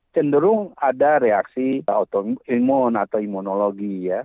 cenderung ada reaksi autoimun atau imunologi ya